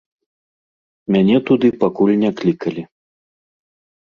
Мяне туды пакуль не клікалі.